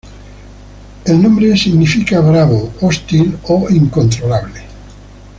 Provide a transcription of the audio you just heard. El nombre significa bravo, hostil o incontrolable.